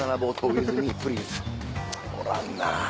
おらんなぁ。